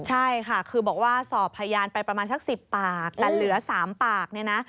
ใช่ค่ะคือบอกว่าสอบพยานไปประมาณสัก๑๐ปากแต่เหลือ๓ปากเนี่ยนะ